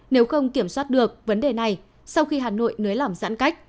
nếu không kiểm soát được vấn đề này sau khi hà nội nới lỏng giãn cách